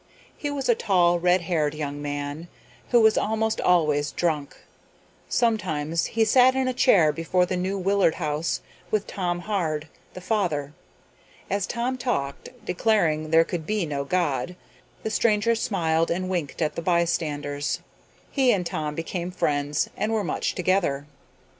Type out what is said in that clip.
He was a tall, redhaired young man who was almost always drunk. Sometimes he sat in a chair before the New Willard House with Tom Hard, the father. As Tom talked, declaring there could be no God, the stranger smiled and winked at the bystanders. He and Tom became friends and were much together.